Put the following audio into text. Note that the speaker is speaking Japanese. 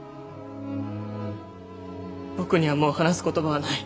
僕にはもう話す言葉はない。